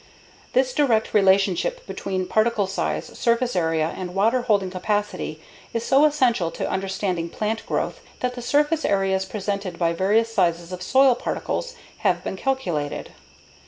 This direct relationship between particle size, surface area, and water holding capacity is so essential to understanding plant growth that the surface areas presented by various sizes of soil particles have been calculated.